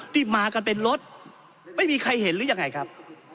นี่มากันเป็นรถไม่มีใครเห็นหรือยังไงครับ